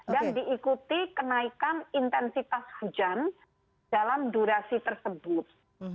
dan diikuti kenaikan intensitas hujan dalam durasi tersebut